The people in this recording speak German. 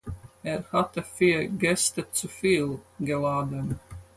Er hatte vier Gäste zu viel geladen.